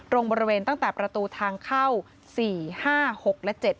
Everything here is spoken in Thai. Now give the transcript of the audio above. ตรงบริเวณตั้งแต่ประตูทางเข้า๔๕๖และ๗